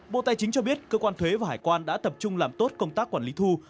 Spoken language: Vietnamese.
bộ tài chính cho biết cơ quan thuế và hải quan đã tập trung làm tốt công tác quản lý thu